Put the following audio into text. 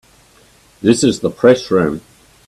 This is the Press Room.